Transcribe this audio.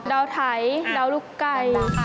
ดาวไถดาวลูกไก่